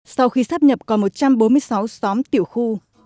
sau khi sắp nhập còn một trăm bốn mươi sáu xóm tiểu khu